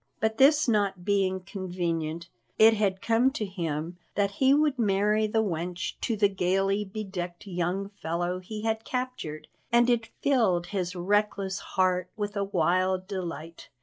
But this not being convenient, it had come to him that he would marry the wench to the gaily bedecked young fellow he had captured, and it filled his reckless heart with a wild delight.